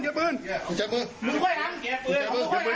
ข้างลงทางหลงว้างลงตายตายตายจิ๊บหน่วย